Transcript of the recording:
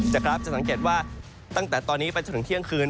จะสังเกตว่าตั้งแต่ตอนนี้ไปจนถึงเที่ยงคืน